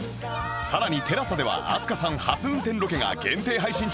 さらに ＴＥＬＡＳＡ では飛鳥さん初運転ロケが限定配信中！